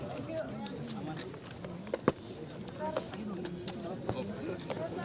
ya dingin tapi tidak dingin banget